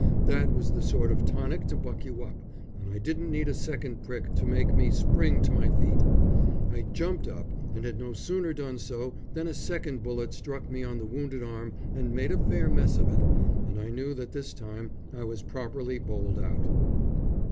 That was the sort of tonic to buck you up, and I didn't need a second prick to make me spring to my feet. I jumped up, and had no sooner done so than a second bullet struck me on the wounded arm and made a fair mess of it, and I knew that this time I was properly bowled out.